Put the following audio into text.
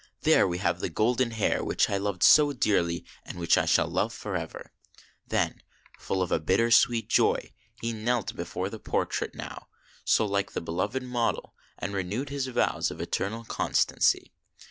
" There we have the golden hair which I loved so dearly, and which I shall love forever." Then, full of a bitter sweet joy, he knelt before the por 124 THE FAIRY SPINNING WHEEL trait, now so like the beloved model, and renewed his vows of eternal constancy.